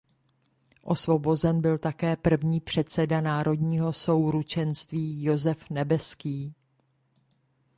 Osvobozen byl také první předseda Národního souručenství Josef Nebeský.